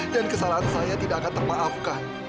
dan kesalahan saya tidak akan termaafkan